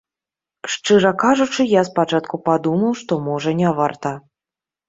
Шчыра кажучы я спачатку падумаў, што, можа, не варта.